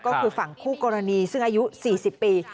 ก็คือฝั่งคู่กรณีซึ่งอายุ๔๐ปี